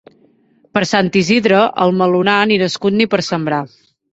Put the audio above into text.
Per Sant Isidre, el melonar ni nascut ni per sembrar.